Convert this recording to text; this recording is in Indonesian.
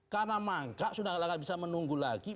karena mangkrak sudah agak agak bisa menunggu lagi